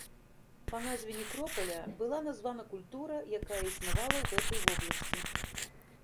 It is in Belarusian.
Па назве некропаля была названа культура, якая існавала ў гэтай вобласці.